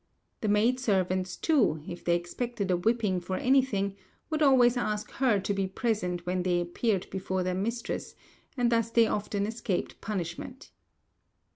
The maid servants, too, if they expected a whipping for anything, would always ask her to be present when they appeared before their mistress, and thus they often escaped punishment.